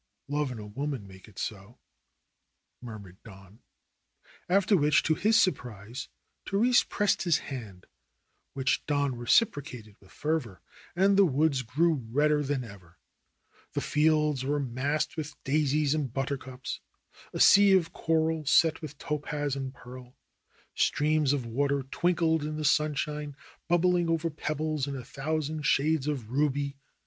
"Love and a woman make it so," murmured Don, after which, to his surprise, Therese pressed his hand, which Don reciprocated with fervor. And the woods grew redder than ever. The fields were massed with daisies and buttercups, a sea of coral set with topaz and pearl. Streams of water twinkled in the sunshine, bubbling over pebbles in a thousand shades of ruby.